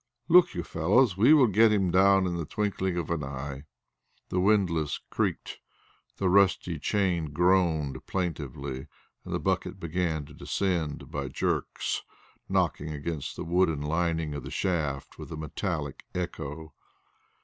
"Look, you fellows, we will get him down in the twinkling of an eye." The windlass creaked, the rusty chain groaned plaintively, and the bucket began to descend by jerks, knocking against the wooden lining of the shaft with a metallic echo.